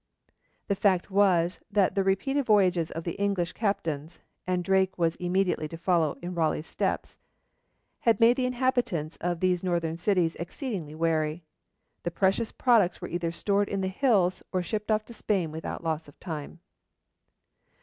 The fact was that the repeated voyages of the English captains and Drake was immediately to follow in Raleigh's steps had made the inhabitants of these northern cities exceedingly wary. The precious products were either stored in the hills, or shipped off to Spain without loss of time.